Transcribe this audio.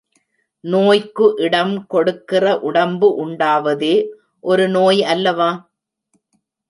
நோய்க்கு இடம் கொடுக்கிற உடம்பு உண்டாவதே ஒரு நோய் அல்லவா?